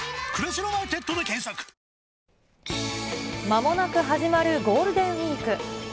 まもなく始まるゴールデンウィーク。